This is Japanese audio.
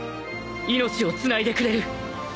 命をつないでくれる